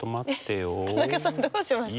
田中さんどうしました？